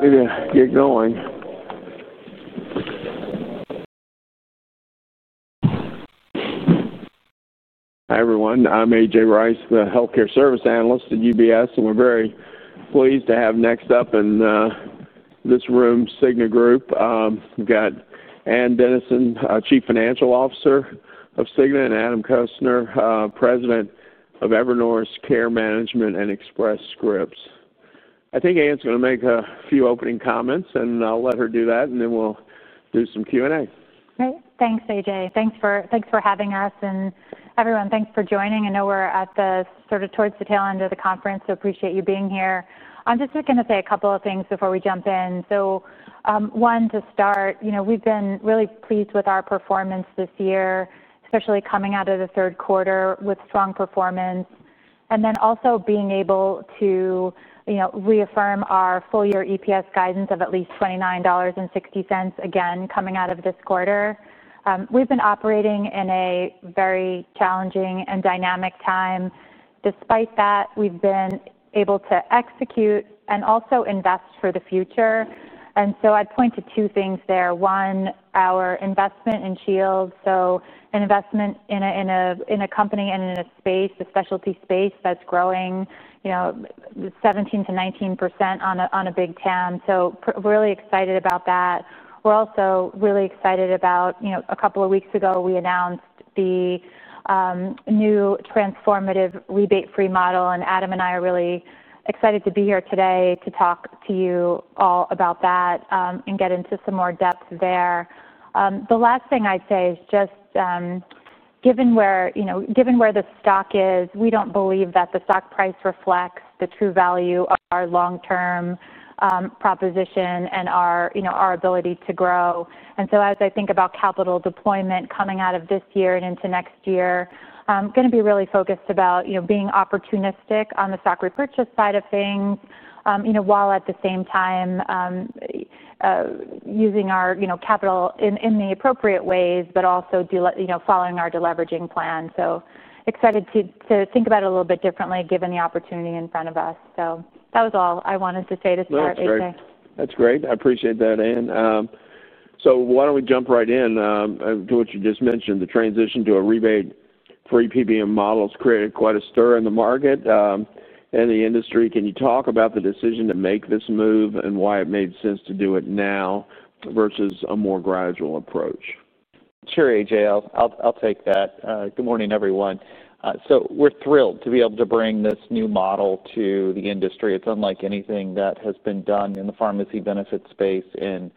Get it, get going. Hi everyone, I'm A.J. Rice, the Healthcare Service Analyst at UBS, and we're very pleased to have next up in this room Cigna Group. We've got Ann Dennison, Chief Financial Officer of Cigna, and Adam Kautzner, President of Evernorth's Care Management and Express Scripts. I think Ann's going to make a few opening comments, and I'll let her do that, and then we'll do some Q&A. Great, thanks A.J., thanks for having us, and everyone thanks for joining. I know we're at the sort of towards the tail end of the conference, so I appreciate you being here. I'm just going to say a couple of things before we jump in. One, to start, we've been really pleased with our performance this year, especially coming out of the third quarter with strong performance, and then also being able to reaffirm our full-year EPS guidance of at least $29.60 again coming out of this quarter. We've been operating in a very challenging and dynamic time. Despite that, we've been able to execute and also invest for the future. I would point to two things there. One, our investment in Shields, so an investment in a company and in a specialty space that's growing 17-19% on a big TAM. Really excited about that. We're also really excited about a couple of weeks ago we announced the new transformative rebate-free model, and Adam and I are really excited to be here today to talk to you all about that and get into some more depth there. The last thing I'd say is just given where the stock is, we don't believe that the stock price reflects the true value of our long-term proposition and our ability to grow. As I think about capital deployment coming out of this year and into next year, I'm going to be really focused about being opportunistic on the stock purchase side of things while at the same time using our capital in the appropriate ways, but also following our deleveraging plan. Excited to think about it a little bit differently given the opportunity in front of us. That was all I wanted to say to start. That's great. I appreciate that, Ann. Why don't we jump right into what you just mentioned? The transition to a rebate-free PBM model has created quite a stir in the market and the industry. Can you talk about the decision to make this move and why it made sense to do it now versus a more gradual approach? Sure, A.J., I'll take that. Good morning, everyone. We're thrilled to be able to bring this new model to the industry. It's unlike anything that has been done in the pharmacy benefit space in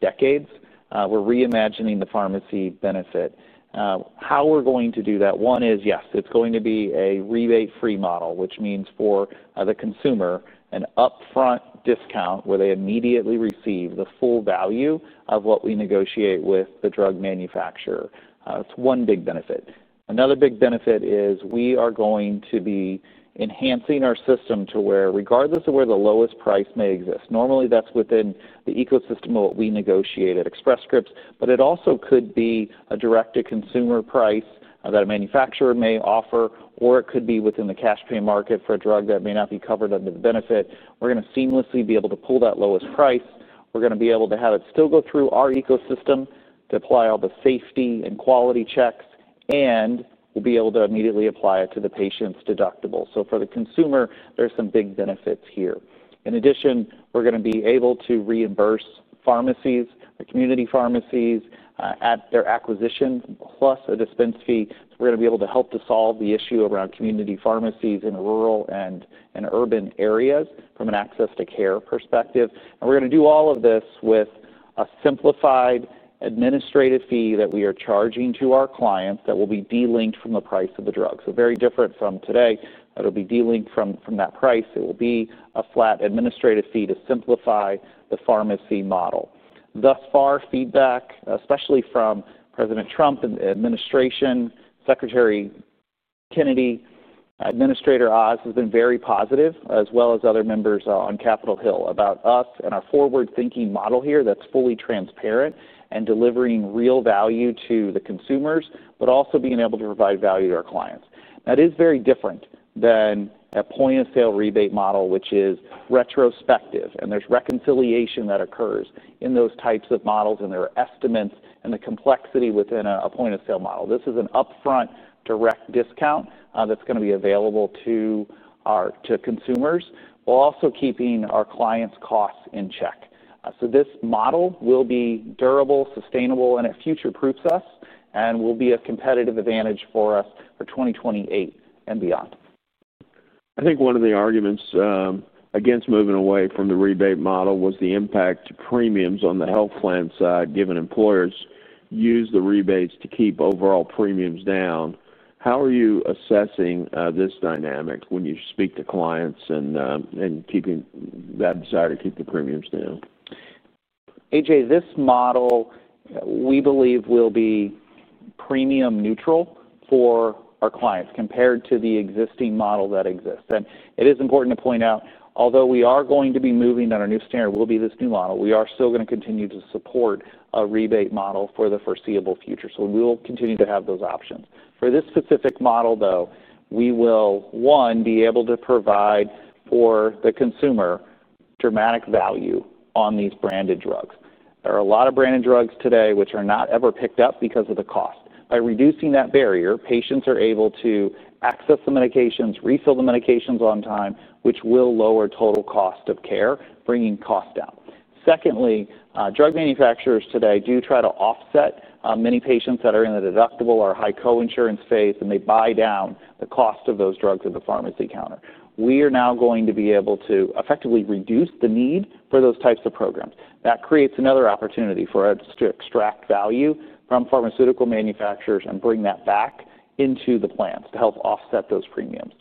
decades. We're reimagining the pharmacy benefit. How are we going to do that? One is, yes, it's going to be a rebate-free model, which means for the consumer an upfront discount where they immediately receive the full value of what we negotiate with the drug manufacturer. That's one big benefit. Another big benefit is we are going to be enhancing our system to where, regardless of where the lowest price may exist, normally that's within the ecosystem of what we negotiate at Express Scripts, but it also could be a direct-to-consumer price that a manufacturer may offer, or it could be within the cash-pay market for a drug that may not be covered under the benefit. We're going to seamlessly be able to pull that lowest price. We're going to be able to have it still go through our ecosystem, to apply all the safety and quality checks, and we'll be able to immediately apply it to the patient's deductible. For the consumer, there are some big benefits here. In addition, we're going to be able to reimburse pharmacies, community pharmacies, at their acquisition, plus a dispense fee. We're going to be able to help to solve the issue around community pharmacies in rural and urban areas from an access-to-care perspective. We're going to do all of this with a simplified administrative fee that we are charging to our clients that will be delinked from the price of the drug. Very different from today, it'll be delinked from that price. It will be a flat administrative fee to simplify the pharmacy model. Thus far, feedback, especially from President Trump, administration, Secretary Kennedy, Administrator Oz, has been very positive, as well as other members on Capitol Hill, about us and our forward-thinking model here that's fully transparent and delivering real value to the consumers, but also being able to provide value to our clients. That is very different than a point-of-sale rebate model, which is retrospective, and there's reconciliation that occurs in those types of models, and there are estimates and the complexity within a point-of-sale model. This is an upfront direct discount that's going to be available to consumers, while also keeping our clients' costs in check. This model will be durable, sustainable, and it future-proofs us, and will be a competitive advantage for us for 2028 and beyond. I think one of the arguments against moving away from the rebate model was the impact to premiums on the health plan side, given employers use the rebates to keep overall premiums down. How are you assessing this dynamic when you speak to clients and keeping that desire to keep the premiums down? A.J., this model we believe will be premium-neutral for our clients compared to the existing model that exists. It is important to point out, although we are going to be moving on our new standard—it will be this new model—we are still going to continue to support a rebate model for the foreseeable future. We will continue to have those options. For this specific model, though, we will, one, be able to provide for the consumer dramatic value on these branded drugs. There are a lot of branded drugs today which are not ever picked up because of the cost. By reducing that barrier, patients are able to access the medications, refill the medications on time, which will lower total cost of care, bringing cost down. Secondly, drug manufacturers today do try to offset many patients that are in the deductible or high co-insurance phase, and they buy down the cost of those drugs at the pharmacy counter. We are now going to be able to effectively reduce the need for those types of programs. That creates another opportunity for us to extract value from pharmaceutical manufacturers and bring that back into the plans to help offset those premiums.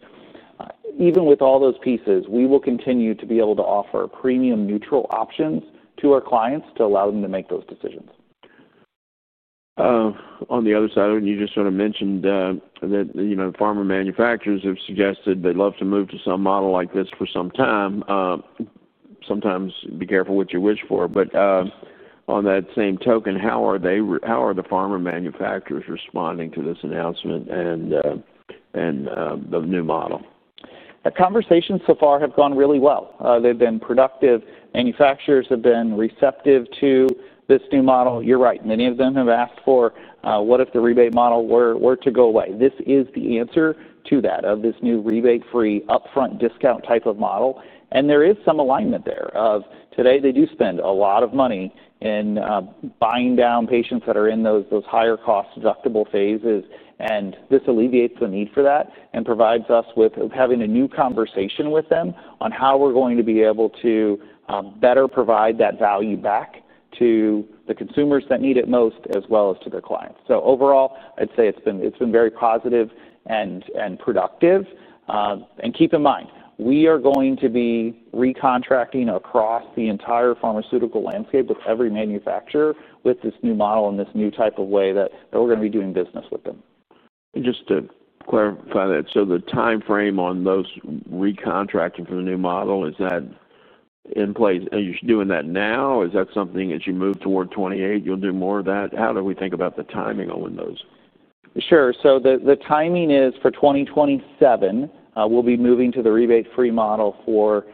Even with all those pieces, we will continue to be able to offer premium-neutral options to our clients to allow them to make those decisions. On the other side of it, you just sort of mentioned that pharma manufacturers have suggested they'd love to move to some model like this for some time. Sometimes be careful what you wish for. On that same token, how are the pharma manufacturers responding to this announcement and the new model? The conversations so far have gone really well. They've been productive. Manufacturers have been receptive to this new model. You're right, many of them have asked for, "What if the rebate model were to go away?" This is the answer to that, of this new rebate-free upfront discount type of model. There is some alignment there. Today, they do spend a lot of money in buying down patients that are in those higher-cost deductible phases, and this alleviates the need for that and provides us with having a new conversation with them on how we're going to be able to better provide that value back to the consumers that need it most, as well as to their clients. Overall, I'd say it's been very positive and productive. Keep in mind, we are going to be recontracting across the entire pharmaceutical landscape with every manufacturer with this new model and this new type of way that we're going to be doing business with them. Just to clarify that, so the time frame on those recontracting for the new model, is that in place? Are you doing that now? Is that something as you move toward 2028 you'll do more of that? How do we think about the timing on those? Sure. The timing is for 2027, we'll be moving to the rebate-free model for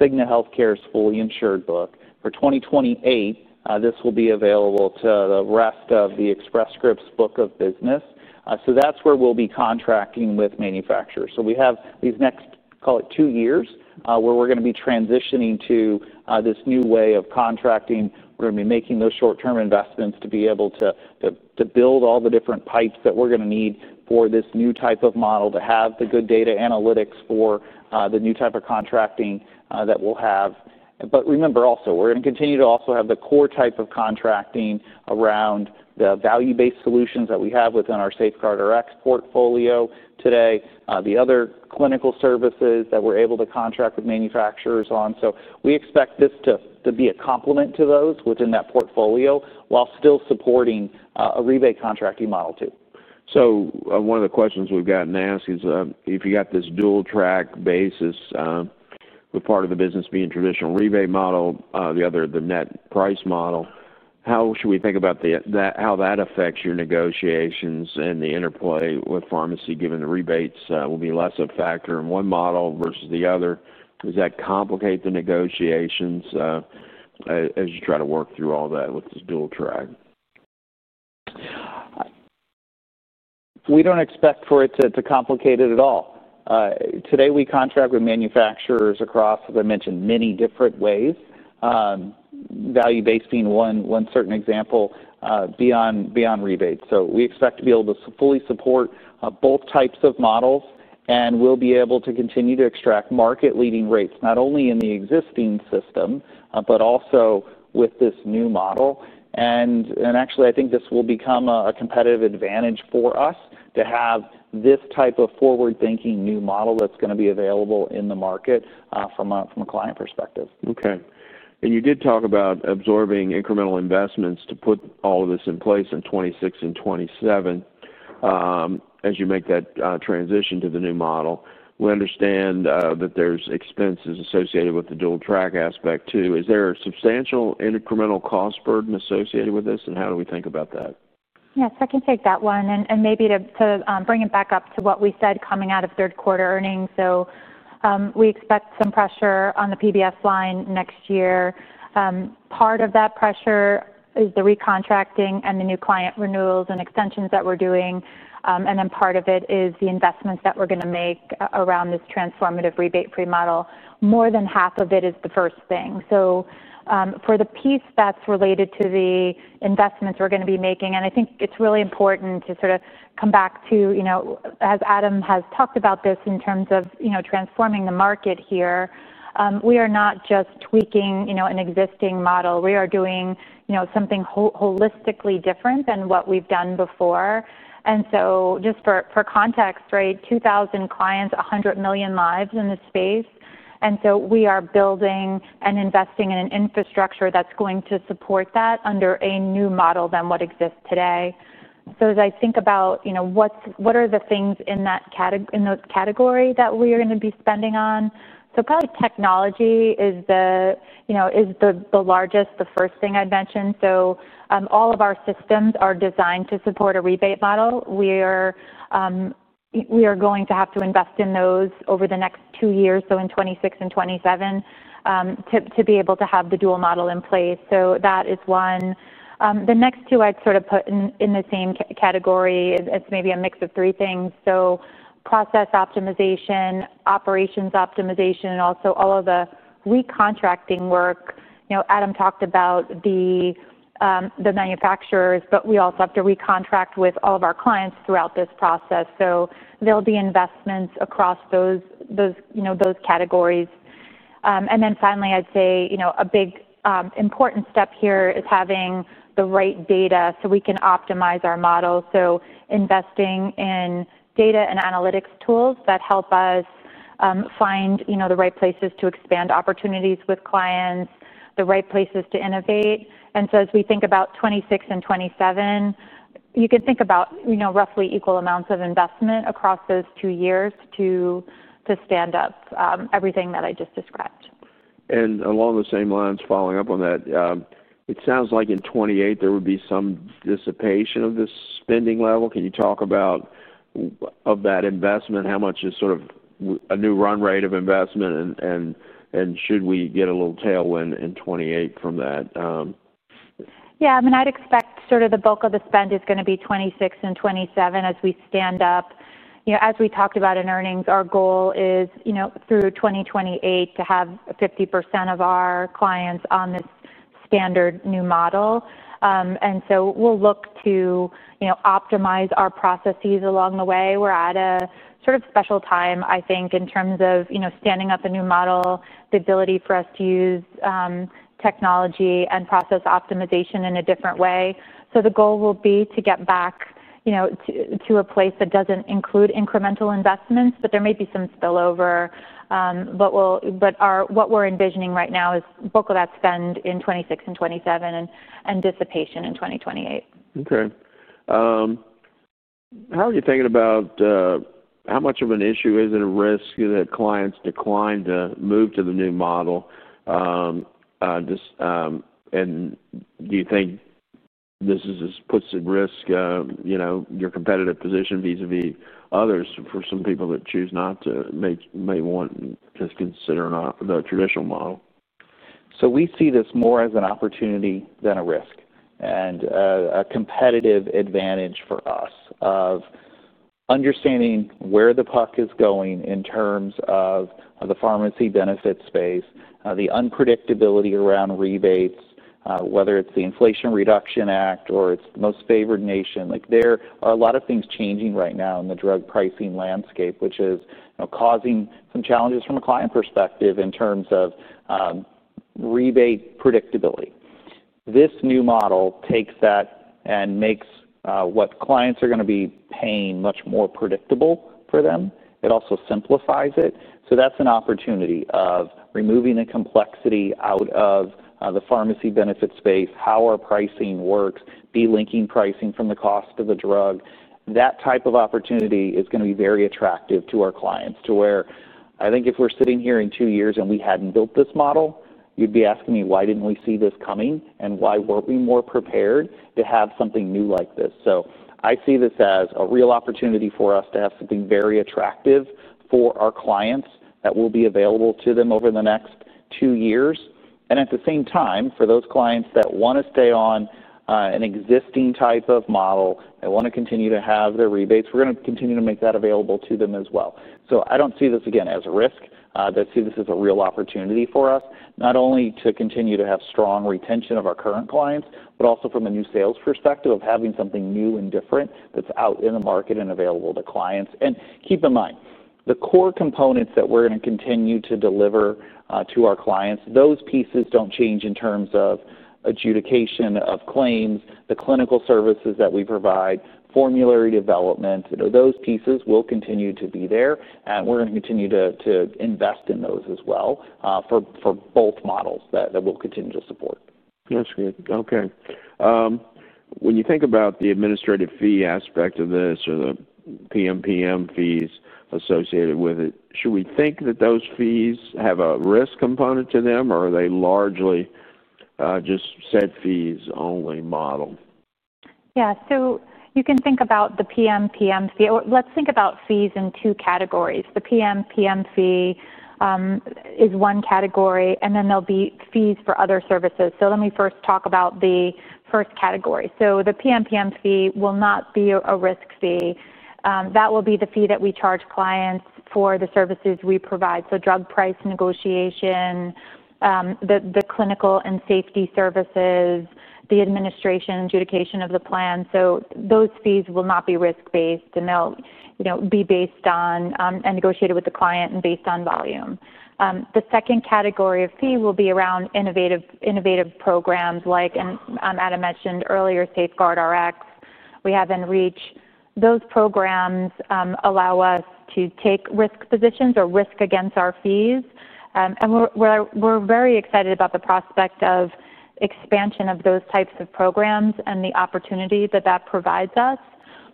Cigna Healthcare's fully insured book. For 2028, this will be available to the rest of the Express Scripts' book of business. That's where we'll be contracting with manufacturers. We have these next, call it, two years where we're going to be transitioning to this new way of contracting. We're going to be making those short-term investments to be able to build all the different pipes that we're going to need for this new type of model to have the good data analytics for the new type of contracting that we'll have. Remember also, we're going to continue to also have the core type of contracting around the value-based solutions that we have within our SafeguardRx portfolio today, the other clinical services that we're able to contract with manufacturers on. We expect this to be a complement to those within that portfolio while still supporting a rebate contracting model, too. One of the questions we've gotten asked is, if you've got this dual-track basis, with part of the business being traditional rebate model, the other the net price model, how should we think about how that affects your negotiations and the interplay with pharmacy, given the rebates will be less of a factor in one model versus the other? Does that complicate the negotiations as you try to work through all that with this dual track? We do not expect for it to complicate it at all. Today, we contract with manufacturers across, as I mentioned, many different ways, value-based being one certain example, beyond rebates. We expect to be able to fully support both types of models, and we will be able to continue to extract market-leading rates, not only in the existing system, but also with this new model. Actually, I think this will become a competitive advantage for us to have this type of forward-thinking new model that is going to be available in the market from a client perspective. Okay. You did talk about absorbing incremental investments to put all of this in place in 2026 and 2027 as you make that transition to the new model. We understand that there's expenses associated with the dual-track aspect, too. Is there a substantial incremental cost burden associated with this, and how do we think about that? Yes, I can take that one. Maybe to bring it back up to what we said coming out of third quarter earnings, we expect some pressure on the PBM line next year. Part of that pressure is the recontracting and the new client renewals and extensions that we're doing, and then part of it is the investments that we're going to make around this transformative rebate-free model. More than half of it is the first thing. For the piece that's related to the investments we're going to be making, and I think it's really important to sort of come back to, as Adam has talked about this in terms of transforming the market here, we are not just tweaking an existing model. We are doing something holistically different than what we've done before. Just for context, right, 2,000 clients, 100 million lives in this space. We are building and investing in an infrastructure that is going to support that under a new model than what exists today. As I think about what are the things in those categories that we are going to be spending on, probably technology is the largest, the first thing I would mention. All of our systems are designed to support a rebate model. We are going to have to invest in those over the next two years, in 2026 and 2027, to be able to have the dual model in place. That is one. The next two I would sort of put in the same category. It is maybe a mix of three things: process optimization, operations optimization, and also all of the recontracting work. Adam talked about the manufacturers, but we also have to recontract with all of our clients throughout this process. There'll be investments across those categories. Finally, I'd say a big important step here is having the right data so we can optimize our model. Investing in data and analytics tools that help us find the right places to expand opportunities with clients, the right places to innovate. As we think about 2026 and 2027, you can think about roughly equal amounts of investment across those two years to stand up everything that I just described. Along the same lines, following up on that, it sounds like in 2028 there would be some dissipation of this spending level. Can you talk about that investment? How much is sort of a new run rate of investment, and should we get a little tailwind in 2028 from that? Yeah. I mean, I'd expect sort of the bulk of the spend is going to be 2026 and 2027 as we stand up. As we talked about in earnings, our goal is through 2028 to have 50% of our clients on this standard new model. We will look to optimize our processes along the way. We're at a sort of special time, I think, in terms of standing up a new model, the ability for us to use technology and process optimization in a different way. The goal will be to get back to a place that does not include incremental investments, but there may be some spillover. What we're envisioning right now is bulk of that spend in 2026 and 2027 and dissipation in 2028. Okay. How are you thinking about how much of an issue is it, a risk that clients decline to move to the new model? Do you think this puts at risk your competitive position vis-à-vis others for some people that choose not to, may want to consider the traditional model? We see this more as an opportunity than a risk and a competitive advantage for us of understanding where the puck is going in terms of the pharmacy benefit space, the unpredictability around rebates, whether it is the Inflation Reduction Act or it is the most favored nation. There are a lot of things changing right now in the drug pricing landscape, which is causing some challenges from a client perspective in terms of rebate predictability. This new model takes that and makes what clients are going to be paying much more predictable for them. It also simplifies it. That is an opportunity of removing the complexity out of the pharmacy benefit space, how our pricing works, delinking pricing from the cost of the drug. That type of opportunity is going to be very attractive to our clients to where I think if we're sitting here in two years and we hadn't built this model, you'd be asking me, "Why didn't we see this coming? And why weren't we more prepared to have something new like this?" I see this as a real opportunity for us to have something very attractive for our clients that will be available to them over the next two years. At the same time, for those clients that want to stay on an existing type of model and want to continue to have their rebates, we're going to continue to make that available to them as well. I don't see this, again, as a risk. I see this as a real opportunity for us, not only to continue to have strong retention of our current clients, but also from a new sales perspective of having something new and different that's out in the market and available to clients. Keep in mind, the core components that we're going to continue to deliver to our clients, those pieces don't change in terms of adjudication of claims, the clinical services that we provide, formulary development. Those pieces will continue to be there, and we're going to continue to invest in those as well for both models that we'll continue to support. That's good. Okay. When you think about the administrative fee aspect of this or the PMPM fees associated with it, should we think that those fees have a risk component to them, or are they largely just said fees only model? Yeah. You can think about the PMPM fee. Let's think about fees in two categories. The PMPM fee is one category, and then there'll be fees for other services. Let me first talk about the first category. The PMPM fee will not be a risk fee. That will be the fee that we charge clients for the services we provide. Drug price negotiation, the clinical and safety services, the administration, adjudication of the plan. Those fees will not be risk-based, and they'll be based on and negotiated with the client and based on volume. The second category of fee will be around innovative programs like, as Adam mentioned earlier, SafeguardRx. We have EnReach. Those programs allow us to take risk positions or risk against our fees. We're very excited about the prospect of expansion of those types of programs and the opportunity that that provides us.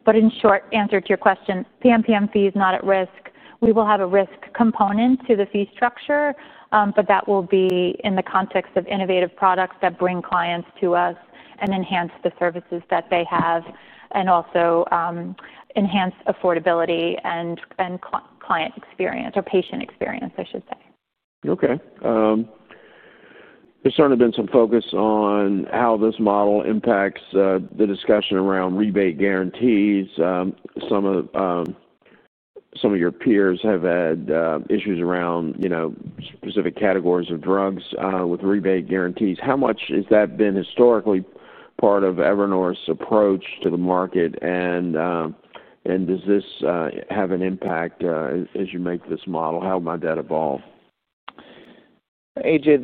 In short, answer to your question, PMPM fee is not at risk. We will have a risk component to the fee structure, but that will be in the context of innovative products that bring clients to us and enhance the services that they have and also enhance affordability and client experience or patient experience, I should say. Okay. There's certainly been some focus on how this model impacts the discussion around rebate guarantees. Some of your peers have had issues around specific categories of drugs with rebate guarantees. How much has that been historically part of Evernorth's approach to the market? Does this have an impact as you make this model? How might that evolve? AJ,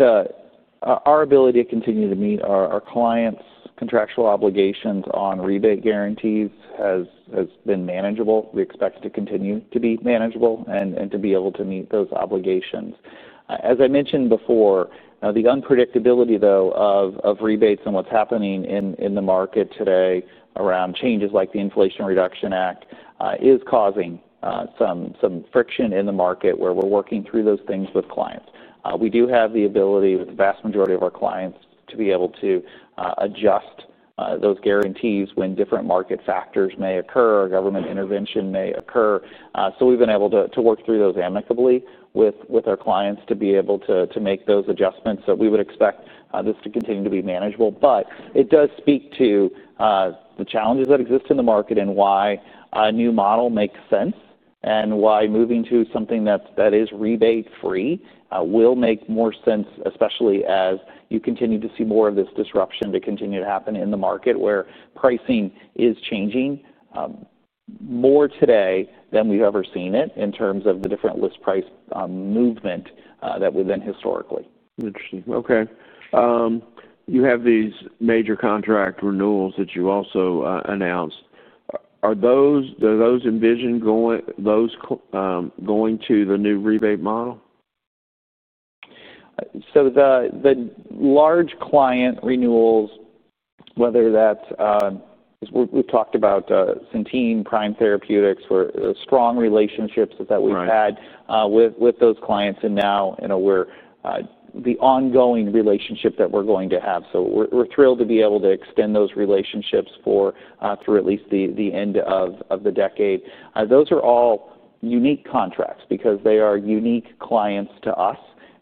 our ability to continue to meet our clients' contractual obligations on rebate guarantees has been manageable. We expect it to continue to be manageable and to be able to meet those obligations. As I mentioned before, the unpredictability, though, of rebates and what's happening in the market today around changes like the Inflation Reduction Act is causing some friction in the market where we're working through those things with clients. We do have the ability, with the vast majority of our clients, to be able to adjust those guarantees when different market factors may occur or government intervention may occur. We have been able to work through those amicably with our clients to be able to make those adjustments. We would expect this to continue to be manageable. It does speak to the challenges that exist in the market and why a new model makes sense and why moving to something that is rebate-free will make more sense, especially as you continue to see more of this disruption to continue to happen in the market where pricing is changing more today than we've ever seen it in terms of the different list price movement that we've been historically. Interesting. Okay. You have these major contract renewals that you also announced. Are those envisioned going to the new rebate model? The large client renewals, whether that's we've talked about Centene, Prime Therapeutics for strong relationships that we've had with those clients, and now we're the ongoing relationship that we're going to have. We're thrilled to be able to extend those relationships for at least the end of the decade. Those are all unique contracts because they are unique clients to us,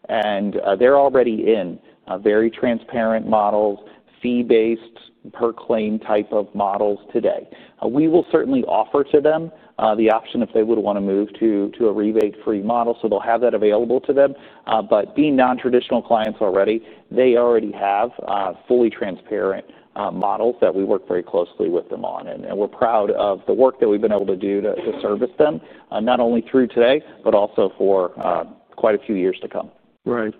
and they're already in very transparent models, fee-based per claim type of models today. We will certainly offer to them the option if they would want to move to a rebate-free model, so they'll have that available to them. Being non-traditional clients already, they already have fully transparent models that we work very closely with them on. We're proud of the work that we've been able to do to service them, not only through today, but also for quite a few years to come. Right.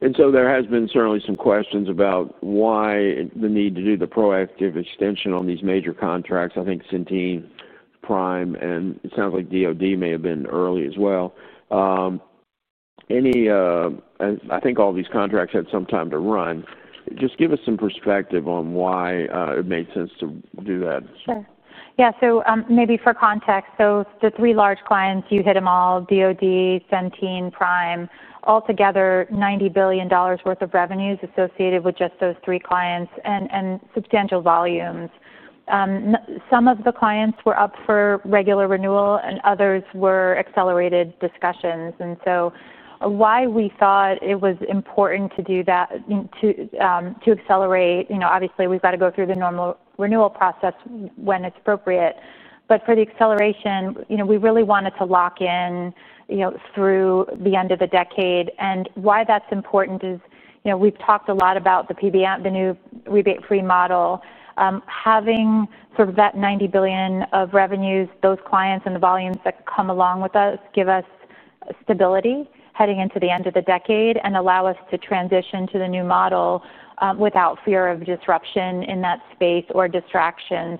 There has been certainly some questions about why the need to do the proactive extension on these major contracts. I think Centene, Prime, and it sounds like DOD may have been early as well. I think all these contracts had some time to run. Just give us some perspective on why it made sense to do that. Sure. Yeah. Maybe for context, the three large clients, you hit them all: DOD, Centene, Prime, altogether $90 billion worth of revenues associated with just those three clients and substantial volumes. Some of the clients were up for regular renewal, and others were accelerated discussions. Why we thought it was important to do that, to accelerate, obviously, we've got to go through the normal renewal process when it's appropriate. For the acceleration, we really wanted to lock in through the end of the decade. Why that's important is we've talked a lot about the PBM, the new rebate-free model. Having sort of that $90 billion of revenues, those clients and the volumes that come along with us give us stability heading into the end of the decade and allow us to transition to the new model without fear of disruption in that space or distraction.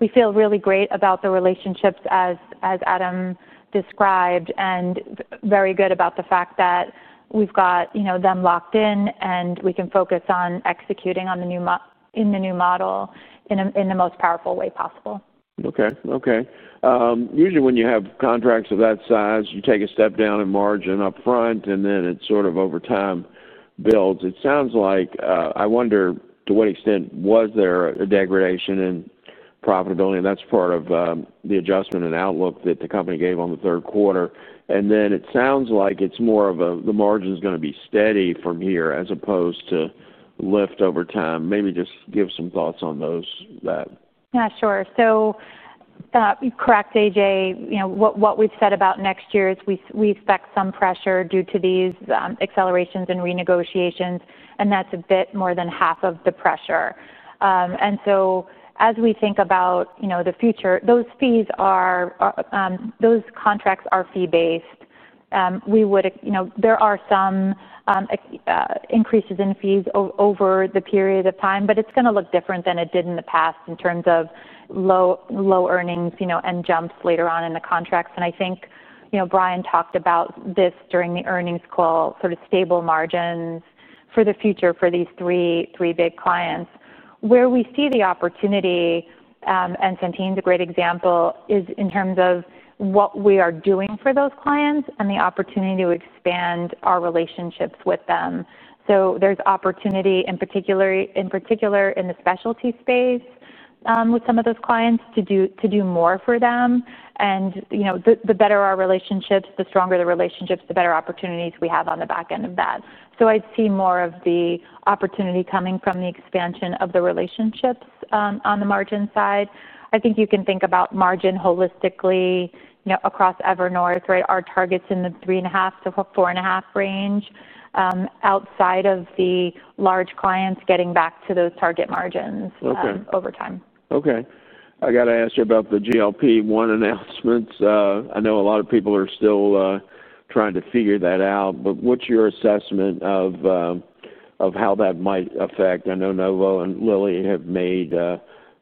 We feel really great about the relationships, as Adam described, and very good about the fact that we've got them locked in, and we can focus on executing in the new model in the most powerful way possible. Okay. Okay. Usually, when you have contracts of that size, you take a step down in margin upfront, and then it sort of over time builds. It sounds like I wonder to what extent was there a degradation in profitability. That is part of the adjustment and outlook that the company gave on the third quarter. It sounds like it is more of the margin is going to be steady from here as opposed to lift over time. Maybe just give some thoughts on those. Yeah. Sure. So correct, A.J. What we've said about next year is we expect some pressure due to these accelerations and renegotiations, and that's a bit more than half of the pressure. As we think about the future, those fees or those contracts are fee-based. There are some increases in fees over the period of time, but it's going to look different than it did in the past in terms of low earnings and jumps later on in the contracts. I think Brian talked about this during the earnings call, sort of stable margins for the future for these three big clients. Where we see the opportunity, and Centene is a great example, is in terms of what we are doing for those clients and the opportunity to expand our relationships with them. There's opportunity, in particular in the specialty space with some of those clients, to do more for them. The better our relationships, the stronger the relationships, the better opportunities we have on the back end of that. I'd see more of the opportunity coming from the expansion of the relationships on the margin side. I think you can think about margin holistically across Evernorth, right? Our targets in the 3.5x-4.5x range outside of the large clients getting back to those target margins over time. Okay. I got to ask you about the GLP-1 announcements. I know a lot of people are still trying to figure that out, but what's your assessment of how that might affect? I know Novo and Lilly have made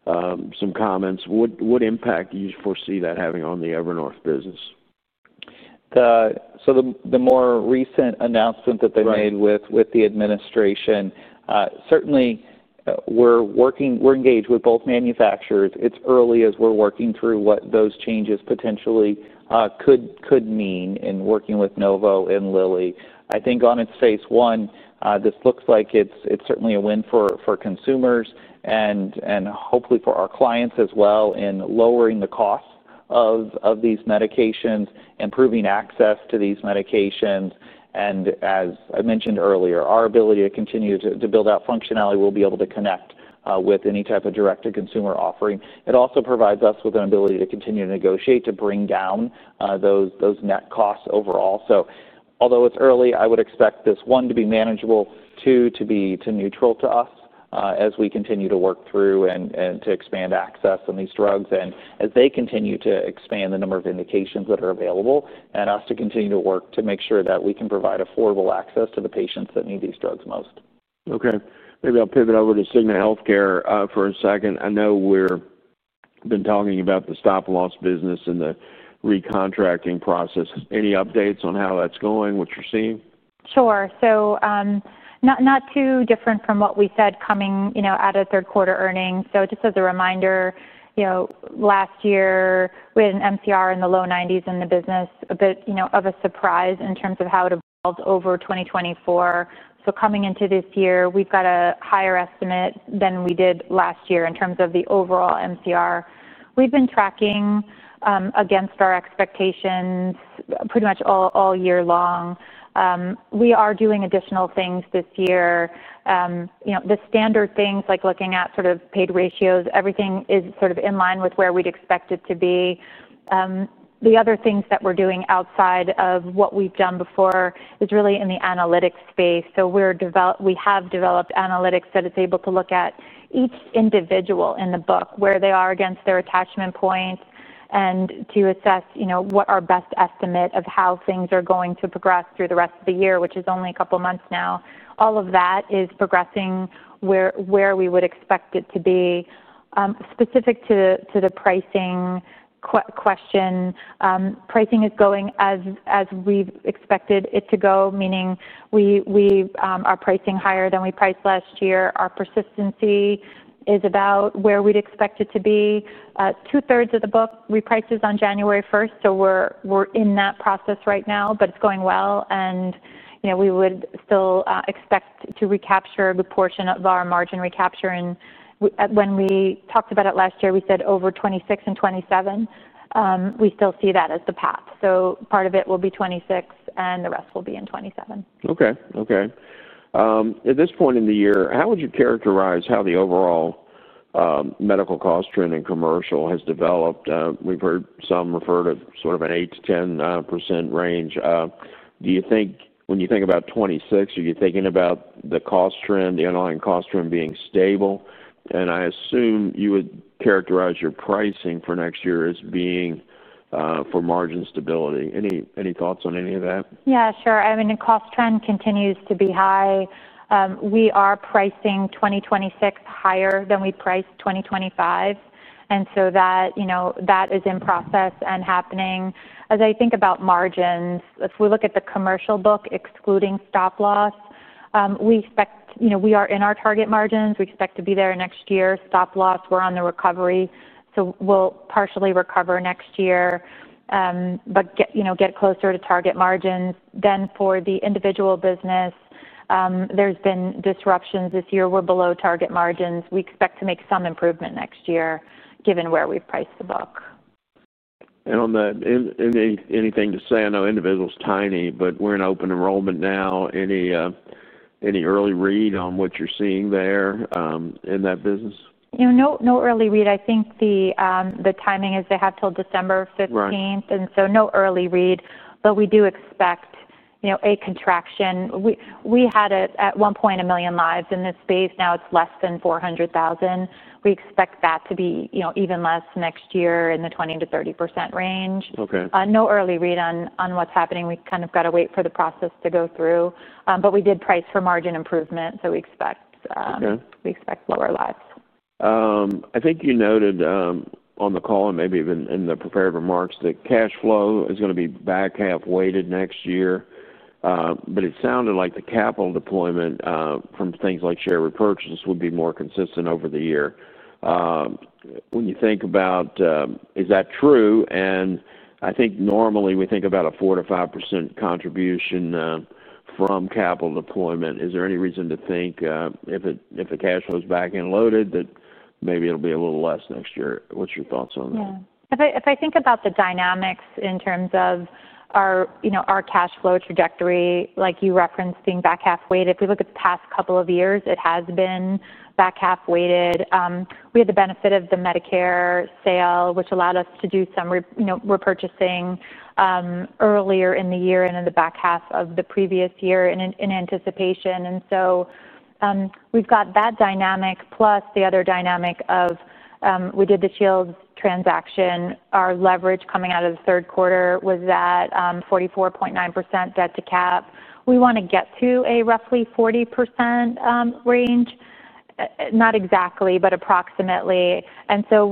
some comments. What impact do you foresee that having on the Evernorth business? The more recent announcement that they made with the administration, certainly, we're engaged with both manufacturers. It's early as we're working through what those changes potentially could mean in working with Novo and Lilly. I think on its face, one, this looks like it's certainly a win for consumers and hopefully for our clients as well in lowering the cost of these medications, improving access to these medications. As I mentioned earlier, our ability to continue to build out functionality will be able to connect with any type of direct-to-consumer offering. It also provides us with an ability to continue to negotiate to bring down those net costs overall. Although it's early, I would expect this, one, to be manageable, two, to be neutral to us as we continue to work through and to expand access on these drugs and as they continue to expand the number of indications that are available and us to continue to work to make sure that we can provide affordable access to the patients that need these drugs most. Okay. Maybe I'll pivot over to Cigna Healthcare for a second. I know we've been talking about the stop-loss business and the recontracting process. Any updates on how that's going, what you're seeing? Sure. Not too different from what we said coming at a third-quarter earnings. Just as a reminder, last year, we had an MCR in the low 90s in the business, a bit of a surprise in terms of how it evolved over 2024. Coming into this year, we have a higher estimate than we did last year in terms of the overall MCR. We have been tracking against our expectations pretty much all year long. We are doing additional things this year. The standard things like looking at sort of paid ratios, everything is sort of in line with where we would expect it to be. The other things that we are doing outside of what we have done before is really in the analytics space. We have developed analytics that are able to look at each individual in the book, where they are against their attachment points, and to assess what our best estimate of how things are going to progress through the rest of the year, which is only a couple of months now. All of that is progressing where we would expect it to be. Specific to the pricing question, pricing is going as we have expected it to go, meaning we are pricing higher than we priced last year. Our persistency is about where we would expect it to be. Two-thirds of the book, we priced this on January 1st, so we are in that process right now, but it is going well. We would still expect to recapture a good portion of our margin recapture. When we talked about it last year, we said over 2026 and 2027. We still see that as the path. Part of it will be 2026, and the rest will be in 2027. Okay. Okay. At this point in the year, how would you characterize how the overall medical cost trend in commercial has developed? We've heard some refer to sort of an 8%-10% range. When you think about 2026, are you thinking about the cost trend, the underlying cost trend being stable? And I assume you would characterize your pricing for next year as being for margin stability. Any thoughts on any of that? Yeah. Sure. I mean, the cost trend continues to be high. We are pricing 2026 higher than we priced 2025. That is in process and happening. As I think about margins, if we look at the commercial book excluding stop-loss, we expect we are in our target margins. We expect to be there next year. Stop-loss, we're on the recovery. We will partially recover next year but get closer to target margins. For the individual business, there's been disruptions this year. We're below target margins. We expect to make some improvement next year given where we've priced the book. Anything to say? I know individual's tiny, but we're in open enrollment now. Any early read on what you're seeing there in that business? No early read. I think the timing is they have till December 15th, and so no early read. We do expect a contraction. We had at one point 1 million lives in this space. Now it is less than 400,000. We expect that to be even less next year in the 20%-30% range. No early read on what is happening. We kind of got to wait for the process to go through. We did price for margin improvement, so we expect lower lives. I think you noted on the call and maybe even in the prepared remarks that cash flow is going to be back half-weighted next year, but it sounded like the capital deployment from things like share repurchase would be more consistent over the year. When you think about it, is that true? I think normally we think about a 4%-5% contribution from capital deployment. Is there any reason to think if the cash flow is back-end loaded that maybe it'll be a little less next year? What's your thoughts on that? Yeah. If I think about the dynamics in terms of our cash flow trajectory, like you referenced being back half-weighted, if we look at the past couple of years, it has been back half-weighted. We had the benefit of the Medicare sale, which allowed us to do some repurchasing earlier in the year and in the back half of the previous year in anticipation. We have that dynamic plus the other dynamic of we did the Shields transaction. Our leverage coming out of the third quarter was at 44.9% debt to cap. We want to get to a roughly 40% range, not exactly, but approximately. We are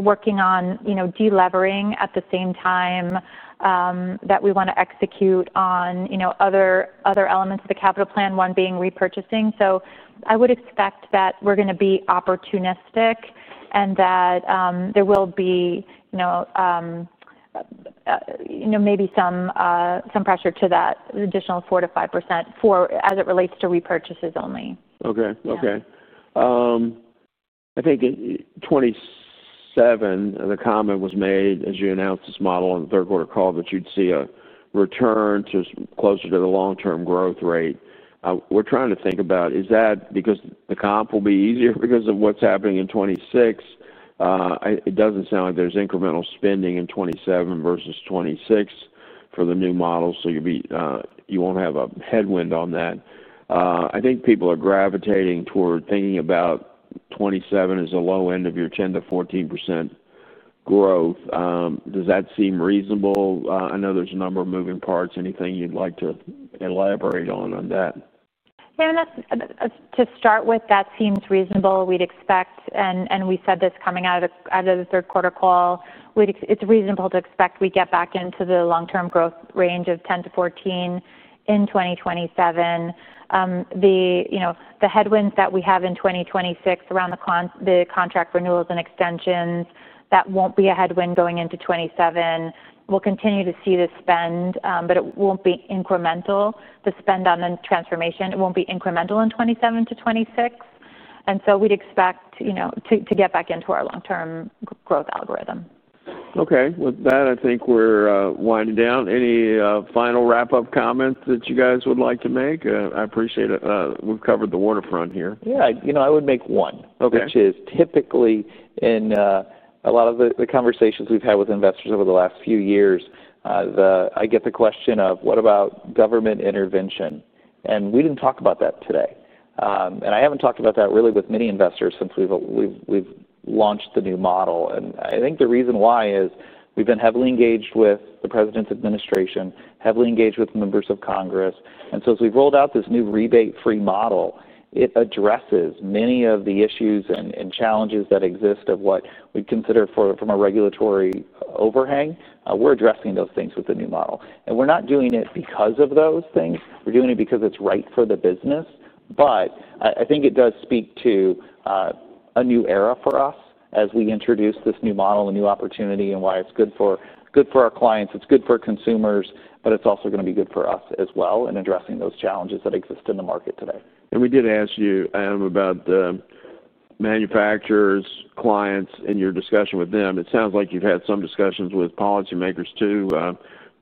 working on delevering at the same time that we want to execute on other elements of the capital plan, one being repurchasing. I would expect that we're going to be opportunistic and that there will be maybe some pressure to that additional 4%-5% as it relates to repurchases only. Okay. Okay. I think in 2027, the comment was made as you announced this model on the third-quarter call that you'd see a return closer to the long-term growth rate. We're trying to think about is that because the comp will be easier because of what's happening in 2026. It doesn't sound like there's incremental spending in 2027 versus 2026 for the new model, so you won't have a headwind on that. I think people are gravitating toward thinking about 2027 as the low end of your 10%-14% growth. Does that seem reasonable? I know there's a number of moving parts. Anything you'd like to elaborate on that? Yeah. To start with, that seems reasonable. We'd expect, and we said this coming out of the third-quarter call, it's reasonable to expect we get back into the long-term growth range of 10%-14% in 2027. The headwinds that we have in 2026 around the contract renewals and extensions, that won't be a headwind going into 2027. We'll continue to see the spend, but it won't be incremental. The spend on the transformation, it won't be incremental in 2027 to 2026. And so we'd expect to get back into our long-term growth algorithm. Okay. With that, I think we're winding down. Any final wrap-up comments that you guys would like to make? I appreciate it. We've covered the waterfront here. Yeah. I would make one, which is typically in a lot of the conversations we've had with investors over the last few years, I get the question of, "What about government intervention?" We did not talk about that today. I have not talked about that really with many investors since we've launched the new model. I think the reason why is we've been heavily engaged with the president's administration, heavily engaged with members of Congress. As we've rolled out this new rebate-free model, it addresses many of the issues and challenges that exist of what we'd consider from a regulatory overhang. We're addressing those things with the new model. We're not doing it because of those things. We're doing it because it's right for the business. I think it does speak to a new era for us as we introduce this new model, a new opportunity, and why it's good for our clients. It's good for consumers, but it's also going to be good for us as well in addressing those challenges that exist in the market today. We did ask you about the manufacturers' clients and your discussion with them. It sounds like you've had some discussions with policymakers too.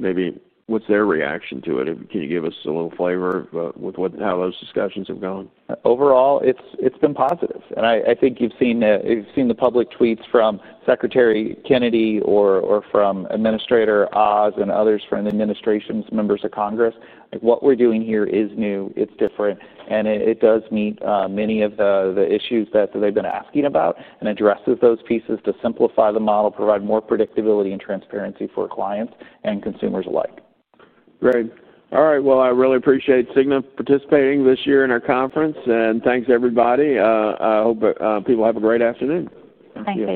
Maybe what's their reaction to it? Can you give us a little flavor of how those discussions have gone? Overall, it's been positive. I think you've seen the public tweets from Secretary Kennedy or from Administrator Oz and others from the administration's members of Congress. What we're doing here is new. It's different. It does meet many of the issues that they've been asking about and addresses those pieces to simplify the model, provide more predictability and transparency for clients and consumers alike. Great. All right. I really appreciate Cigna participating this year in our conference. Thanks, everybody. I hope people have a great afternoon. Thanks.